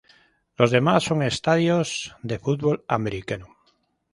Los demás son estadios de fútbol americano.